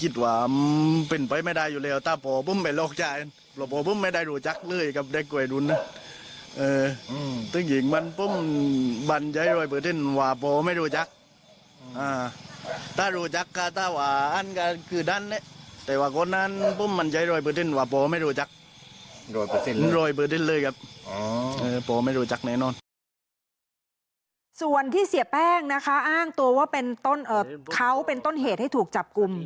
ส่วนที่เสียแป้งนะคะอ้างตัวว่าเป็นต้นเขาเป็นต้นเหตุให้ถูกจับกลุ่ม